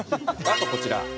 あとこちら。